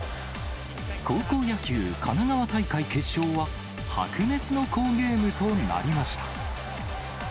高校野球、神奈川大会決勝は白熱の好ゲームとなりました。